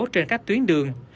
trên các tuyến đường